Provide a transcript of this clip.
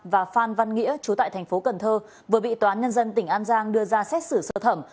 và phan văn nghĩa chú tại thành phố cần thơ vừa bị toán nhân dân tỉnh an giang đưa ra xét xử sơ thẩm